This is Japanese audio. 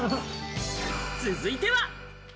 続いては。